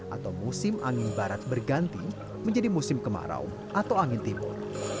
atau musim angin barat berganti menjadi musim kemarau atau angin timur